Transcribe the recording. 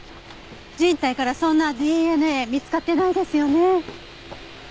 人体からそんなＤＮＡ見つかってないですよね。